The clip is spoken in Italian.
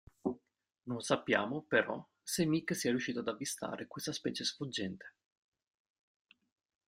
Non sappiamo, però, se Meek sia riuscito ad avvistare questa specie sfuggente.